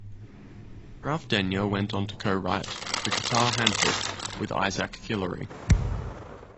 Ralph Denyer went on to co-write "The Guitar Handbook" with Isaac Guillory.